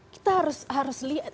kita harus lihat